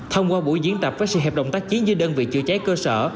thông qua buổi diễn tập với sự hợp động tác chiến giữa đơn vị chữa cháy cơ sở